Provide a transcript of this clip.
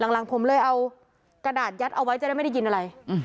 หลังผมเลยเอากระดาษยัดเอาไว้จะได้ไม่ได้ยินอะไร